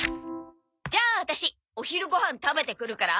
じゃあワタシお昼ご飯食べてくるから。